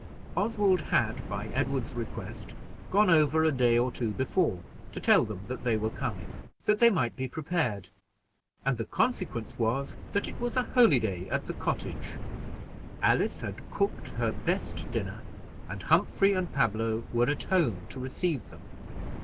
Oswald had, by Edward's request, gone over a day or two before, to tell them that they were coming, that they might be prepared; and the consequence was, that it was a holyday at the cottage. Alice had cooked her best dinner, and Humphrey and Pablo were at home to receive them.